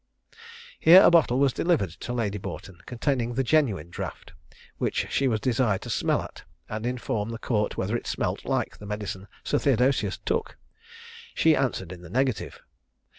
Here a bottle was delivered to Lady Boughton, containing the genuine draught, which she was desired to smell at, and inform the Court whether it smelt like the medicine Sir Theodosius took. She answered in the negative.